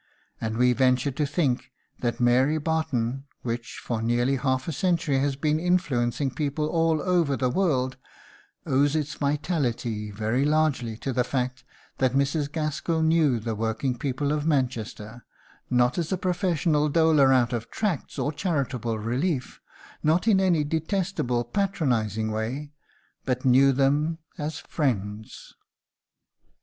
And we venture to think that "Mary Barton," which for nearly half a century has been influencing people all over the world, owes its vitality very largely to the fact that Mrs. Gaskell knew the working people of Manchester, not as a professional doler out of tracts or charitable relief, not in any detestable, patronising way, but knew them as friends.